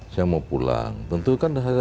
saya mau pulang tentu kan